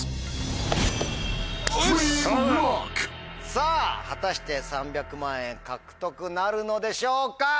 さぁ果たして３００万円獲得なるのでしょうか？